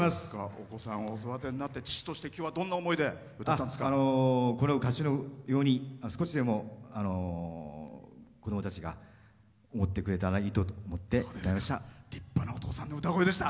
お子さんをお育てになって父として、今日は、どんな思いでこの歌詞のように少しでも子供たちが思ってくれたらいいと思って立派なお父さんの歌声でした。